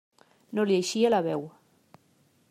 No li eixia la veu.